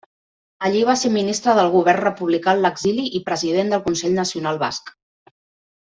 Allí va ser ministre del govern republicà en l'exili i president del Consell Nacional Basc.